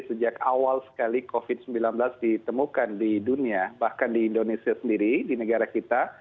sejak awal sekali covid sembilan belas ditemukan di dunia bahkan di indonesia sendiri di negara kita